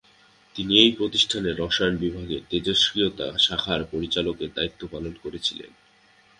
তিনি এই প্রতিষ্ঠানের রসায়ন বিভাগের তেজস্ক্রিয়তা শাখার পরিচালকের দায়িত্ব পালন করেছিলেন।